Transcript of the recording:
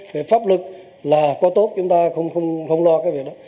về pháp lực là có tốt chúng ta không lo cái việc đó